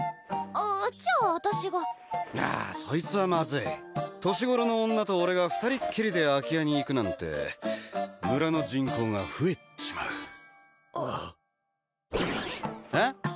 ああじゃあ私があそいつはマズい年頃の女と俺が二人っきりで空き家に行くなんて村の人口が増えっちまうあっえっ？